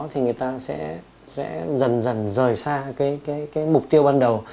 thì người ta sẽ dần dần rời xa cái mục tiêu ban đầu